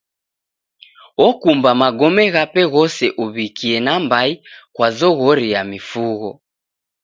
Okumba magome ghape ghose uw'ikie nambai kwa zoghori ya mifugho.